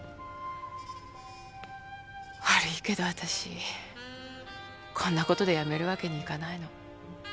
悪いけどわたしこんなことで辞めるわけにいかないの。